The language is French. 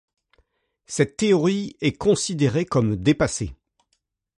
Cette théorie est considérée comme dépassée.